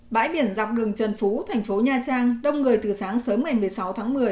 bãi biển dọc đường trần phú thành phố nha trang đông người từ sáng sớm ngày một mươi sáu tháng một mươi